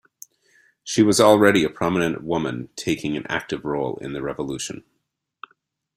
She was already a prominent woman taking an active role in the revolution.